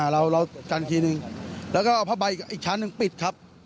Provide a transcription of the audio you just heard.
เราก็เอาผ้าใบอีกชั้นหนึ่งปิดครับ